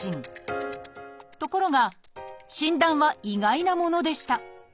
ところが診断は意外なものでした。